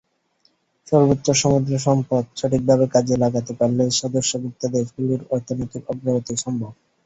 সর্বোচ্চ সমুদ্র সম্পদ সঠিকভাবে কাজে লাগাতে পারলে সদস্যভুক্ত দেশগুলোর অর্থনৈতিক অগ্রগতি সম্ভব।